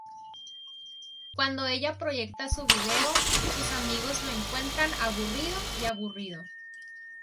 Cuando ella proyecta su vídeo, sus amigos lo encuentran aburrido y aburrido.